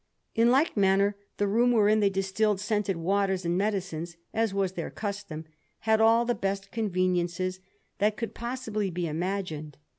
In like manner the room wherein they distilled scented waters and medicines, as was their custom, had all the best conveniences that could possibly be imagined.